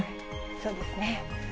そうですね。